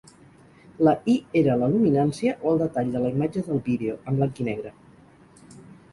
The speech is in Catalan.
La "Y" era la luminància, o el detall de la imatge del vídeo, en blanc i negre.